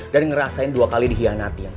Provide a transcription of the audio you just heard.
dan ngerasain dua kali dihianati